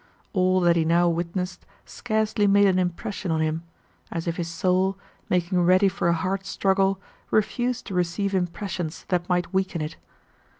All that he now witnessed scarcely made an impression on him—as if his soul, making ready for a hard struggle, refused to receive impressions that might weaken it.